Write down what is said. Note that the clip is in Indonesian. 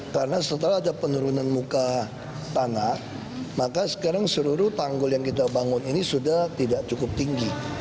karena setelah ada penurunan muka tanah maka sekarang seluruh tanggul yang kita bangun ini sudah tidak cukup tinggi